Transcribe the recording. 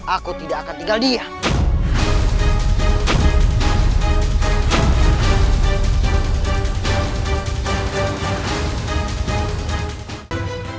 aku tidak akan tinggal dia